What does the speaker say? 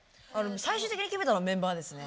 最終的に決めたのはメンバーですね。